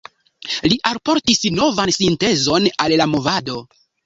Li alportis novan sintezon al la movado.